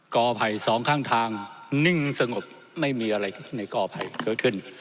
กอภัยสองข้างทางนิ่งสงบไม่มีอะไรในกอภัยเกิดขึ้น